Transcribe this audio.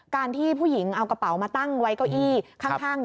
ที่ผู้หญิงเอากระเป๋ามาตั้งไว้เก้าอี้ข้าง